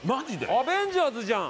『アベンジャーズ』じゃん！